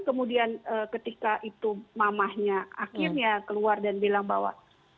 kemudian ketika itu mamahnya akhirnya keluar dan bilang bahwa